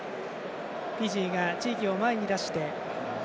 フィジーが地域を前に出して。